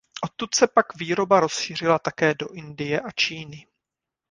Odtud se pak výroba rozšířila také do Indie a Číny.